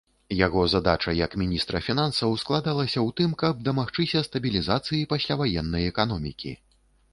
Яго задача, як міністра фінансаў складалася ў тым, каб дамагчыся стабілізацыі пасляваеннай эканомікі.